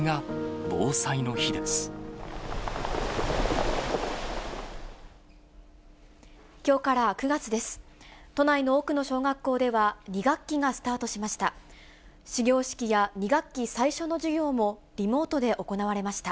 都内の多くの小学校では、２学期がスタートしました。